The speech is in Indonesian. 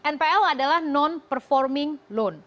npl adalah non performing loan